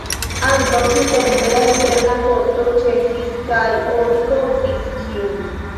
Ankaŭ tiutempe la interna korto ĉesis kaj oni kovris ĝin.